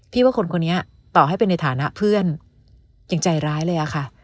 ว่าคนคนนี้ต่อให้เป็นในฐานะเพื่อนยังใจร้ายเลยอะค่ะ